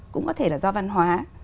cũng có thể là do văn hóa